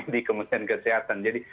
di kementerian kesehatan jadi